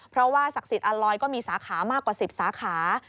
เพราะว่าศักดิ์สิทธิ์อัลลอยก็มีสาขามากกว่า๑๐สาขา